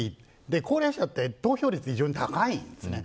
高齢者は投票率が異常に高いんです。